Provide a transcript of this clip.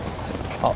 あっ。